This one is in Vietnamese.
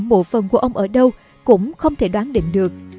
mộ phần của ông ở đâu cũng không thể đoán định được